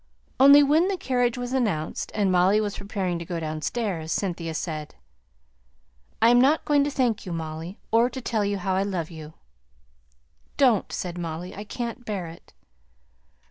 Only when the carriage was announced, and Molly was preparing to go downstairs, Cynthia said, "I am not going to thank you, Molly, or to tell you how I love you." "Don't," said Molly, "I can't bear it."